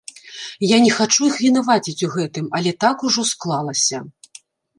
Я не хачу іх вінаваціць у гэтым, але так ужо склалася.